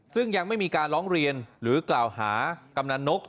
ซึ่งยังไม่มีการร้องเรียนหรือกล่าวหากำนันนก